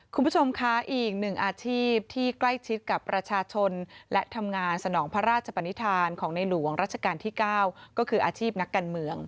คุณผู้ชมคะอีกหนึ่งอาชีพที่ใกล้ชิดกับประชาชนและทำงานสนองพระราชปนิษฐานของในหลวงรัชกาลที่๙ก็คืออาชีพนักการเมือง